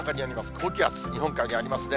高気圧、日本海にありますね。